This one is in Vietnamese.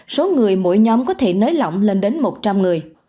số người mỗi nhóm có thể nới lỏng lên đến một trăm linh người